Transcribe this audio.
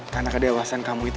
karena kedewasan kamu itu